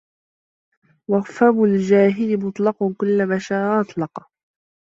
وَفَمُ الْجَاهِلِ مُطْلَقٌ كُلَّمَا شَاءَ أَطْلَقَ